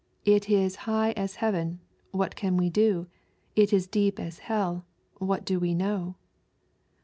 " It is high as heaven : what can we do ? It is deep as hell : what do we know